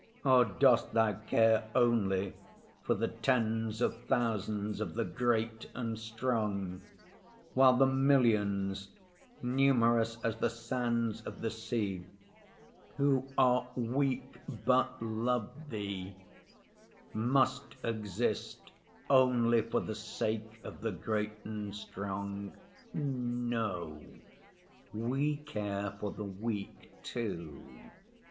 Or dost Thou care only for the tens of thousands of the great and strong, while the millions, numerous as the sands of the sea, who are weak but love Thee, must exist only for the sake of the great and strong? No, we care for the weak too.